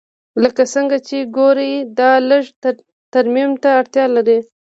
لکه څنګه چې ګورې دا لږ ترمیم ته اړتیا لري